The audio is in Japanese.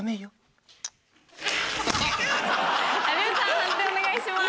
判定お願いします。